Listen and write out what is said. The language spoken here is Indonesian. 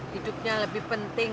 hidupnya lebih penting